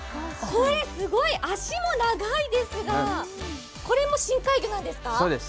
これすごい、足も長いですがこれも深海魚なんですか？